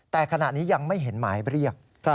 แต่ขณะนี้ยังไม่เห็นหมายเรียก